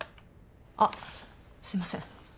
あっすいません。